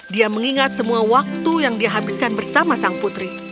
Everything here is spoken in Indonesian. dia mengingat semua waktu yang dihabiskan bersama sang putri